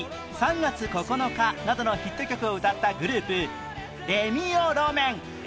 『３月９日』などのヒット曲を歌ったグループ「レミオロメン」